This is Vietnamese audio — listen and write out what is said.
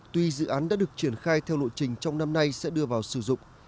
tuy dự án đã được triển khai theo lộ trình trong năm nay sẽ đưa vào sử dụng